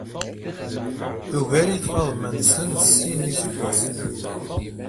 Tugar-it Faḍma-nsen s sin n yiseggasen.